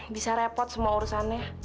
bisa repot semua urusannya